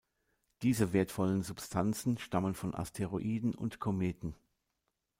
Diese wertvollen Substanzen stammen von Asteroiden und Kometen.